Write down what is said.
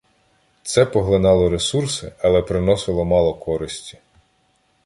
Це поглинало ресурси, але приносило мало користі.